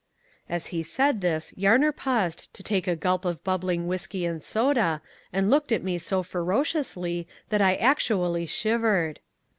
As he said this Yarner paused to take a gulp of bubbling whiskey and soda and looked at me so ferociously that I actually shivered.